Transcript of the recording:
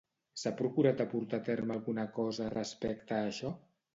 S'ha procurat de portar a terme alguna cosa respecte a això?